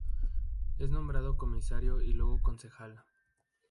Es nombrado Comisario y luego Concejal.